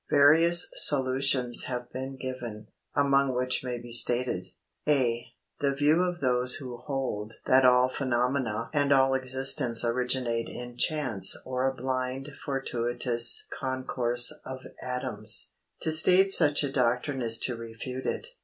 Various solutions have been given, among which may be stated: (a) The view of those who hold that all phenomena and all existence originate in Chance or a blind fortuitous concourse of atoms. To state such a doctrine is to refute it.